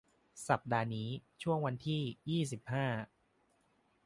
สัปดาห์นี้ช่วงวันที่ ยี่สิบห้า